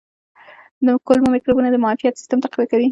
د کولمو مایکروبونه د معافیت سیستم تقویه کوي.